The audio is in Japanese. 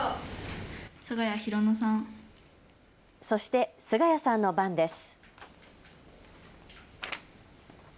そして菅谷さんの番です。